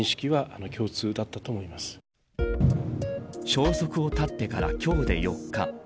消息を絶ってから今日で４日。